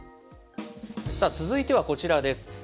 続いてはこちらです。